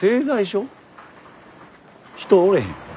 人おれへん。